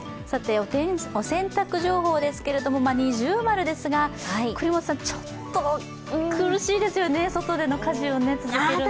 お洗濯情報ですけれども◎ですがちょっと苦しいですよね、外での家事を続けるのは。